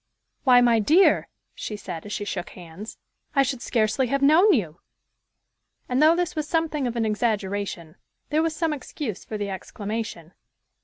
"Why, my dear," she said, as she shook hands, "I should scarcely have known you." And, though this was something of an exaggeration, there was some excuse for the exclamation.